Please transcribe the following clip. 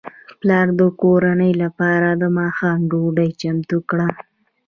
پلار د کورنۍ لپاره د ماښام ډوډۍ چمتو کړه.